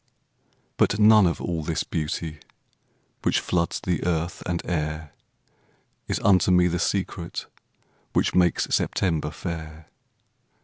But none of all this beauty Which floods the earth and air Is unto me the secret Which makes September fair.